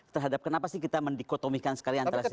terhadap kenapa sih kita mendikotomikan sekali antara